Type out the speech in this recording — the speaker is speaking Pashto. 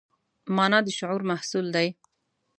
مانا د شعور محصول دی.